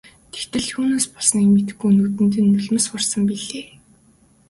Тэгтэл юунаас болсныг мэдэхгүй нүдэнд нь нулимс хурсан билээ.